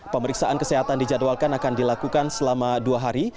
pemeriksaan kesehatan dijadwalkan akan dilakukan selama dua hari